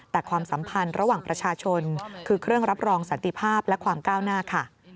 แต่ความสัมพันธ์ระหว่างประชาชนคือเครื่องรับรองสันติภาพและความก้าวหน้าค่ะ